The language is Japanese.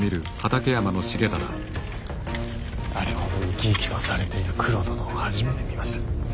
あれほど生き生きとされている九郎殿を初めて見ました。